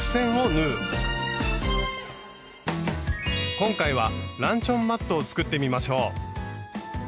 今回はランチョンマットを作ってみましょう。